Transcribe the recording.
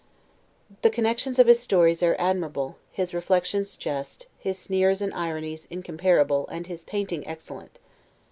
The connections of his stories are admirable, his reflections just, his sneers and ironies incomparable, and his painting excellent.